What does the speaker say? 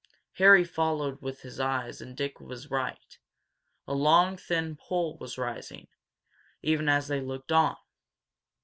Harry followed with his eyes and Dick was right. A long, thin pole was rising, even as they looked on.